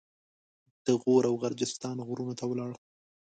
د غور او غرجستان غرونو ته ولاړ.